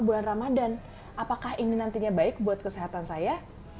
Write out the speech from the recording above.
bulan ramadhan apakah ini nantinya baik buat kesehatan saya